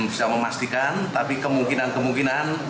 bisa memastikan tapi kemungkinan kemungkinan